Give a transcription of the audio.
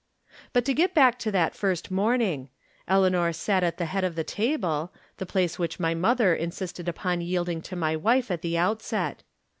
But to get back to that first morning. Elea nor sat at the head of the table — the place which my mother insisted upon yielding to my wife at the outset.